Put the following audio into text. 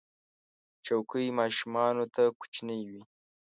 چوکۍ ماشومانو ته کوچنۍ وي.